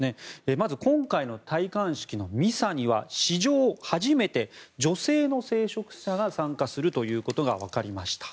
まず今回の戴冠式のミサには史上初めて女性の聖職者が参加するということがわかりました。